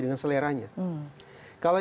dengan seleranya kalau